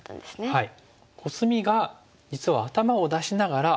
はい。